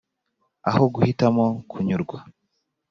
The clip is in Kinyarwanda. aho guhitamo kunyurwa.